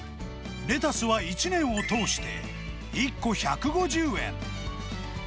レタスは１年を通して、１個１５０円。